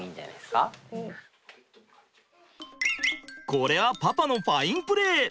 これはパパのファインプレー！